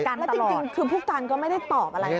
แล้วจริงคือผู้การก็ไม่ได้ตอบอะไรนะ